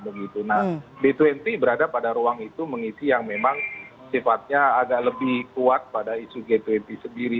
nah b dua puluh berada pada ruang itu mengisi yang memang sifatnya agak lebih kuat pada isu g dua puluh sendiri